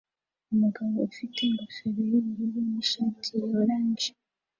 Umugabo ufite ingofero yubururu nishati ya orange